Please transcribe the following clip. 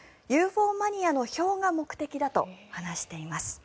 ＵＦＯマニアの票が目的だと話しています。